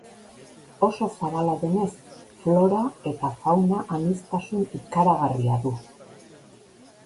Oso zabala denez, flora eta fauna aniztasun ikaragarria du.